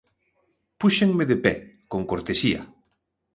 Púxenme de pé, con cortesía.